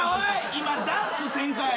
今ダンスせんかい！